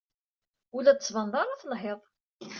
Ur la d-tettbaneḍ ara telhiḍ.